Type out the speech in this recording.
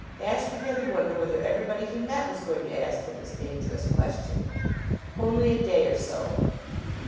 Ashe began to wonder whether everybody he met was going to ask him this dangerous question. "Only a day or so."